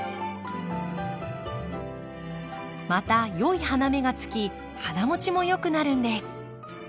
また良い花芽がつき花もちもよくなるんです。